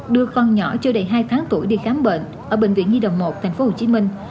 đưa con nhỏ chưa đầy hai tháng tuổi đi khám bệnh ở bệnh viện nhi đồng một tp hcm